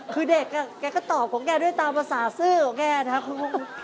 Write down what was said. คือเด็กแกก็ตอบของแกด้วยตามภาษาซื่อของแกนะครับ